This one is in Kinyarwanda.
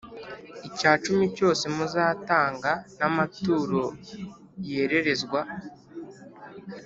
icyacumi cyose muzatanga n amaturo yererezwa